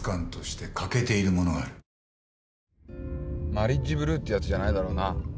マリッジブルーってやつじゃないだろうな？